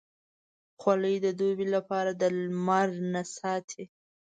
خولۍ د دوبې لپاره د لمر نه ساتي.